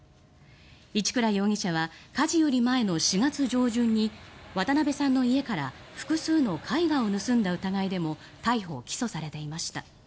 一倉容疑者は火事より前の４月上旬に渡辺さんの家から複数の絵画を盗んだ疑いでも逮捕・起訴されていました。